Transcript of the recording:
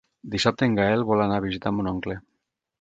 Dissabte en Gaël vol anar a visitar mon oncle.